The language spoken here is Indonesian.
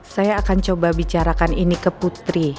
saya akan coba bicarakan ini ke putri